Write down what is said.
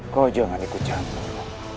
kau jangan ikut jantung